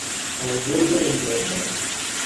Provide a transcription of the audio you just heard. هر گل دو امتیاز دارد.